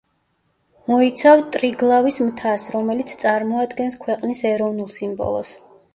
მოიცავ ტრიგლავის მთას, რომელიც წარმოადგენს ქვეყნის ეროვნულ სიმბოლოს.